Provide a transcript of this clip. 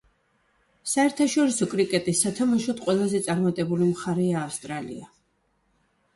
საერთაშორისო კრიკეტის სათამაშოდ ყველაზე წარმატებული მხარეა ავსტრალია.